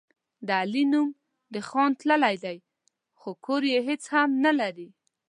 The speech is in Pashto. د علي نوم د خان تللی دی، خو کور کې هېڅ هم نه لري.